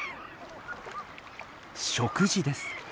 食事です。